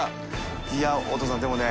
いお父さんでもね